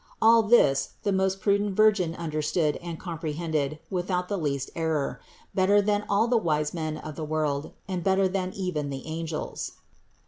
All this the most prudent Virgin understood and comprehended without the least error, better than all the wise men of the world and better than even the angels.